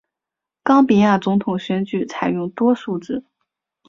冈比亚总统选举采用多数制。